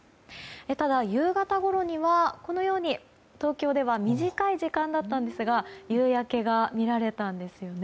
ただ、夕方ごろには東京では短い時間だったんですが夕焼けが見られたんですよね。